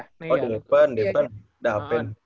oh di depan dapen